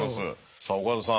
さあ岡田さん